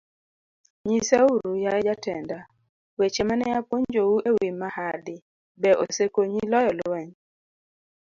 Nyisauru, yaye jatenda, weche ma ne apuonjou e wi mahadi, be osekonyi loyo lweny?